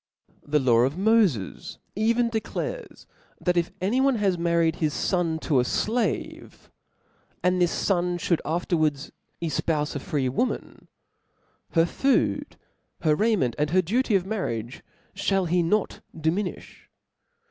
Exod. The law of Mofes (0 even declares, that if any \i^ "* one has married his fon to a flave, and this fon ihould afterwards efpoute a free woman, her food, her raiment, and her duty of marriage, Ihall he not dimihifli.